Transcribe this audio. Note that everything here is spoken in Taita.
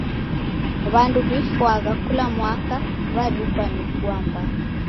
W'andu w'ifwagha kula mwaka w'adukwa ni vua mbaa.